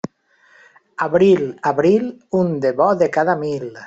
Abril, abril, un de bo de cada mil.